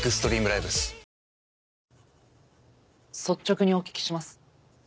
率直にお聞きします。